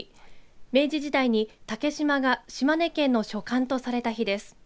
明治時代に竹島が島根県の所管とされた日です。